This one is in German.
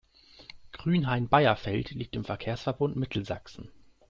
Grünhain-Beierfeld liegt im Verkehrsverbund Mittelsachsen.